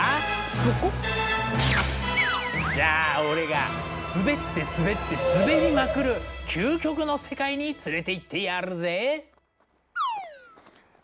そこ？じゃあオレが滑って滑って滑りまくる究極の世界に連れていってやるぜ。